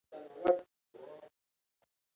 دا د هغه څه په ترسره کولو کې وي.